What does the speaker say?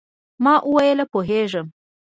ما وویل، پوهېږم.